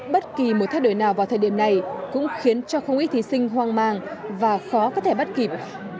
bất kỳ một thay đổi nào vào thời điểm này cũng khiến cho không ít thí sinh hoang mang và khó có thể bắt kịp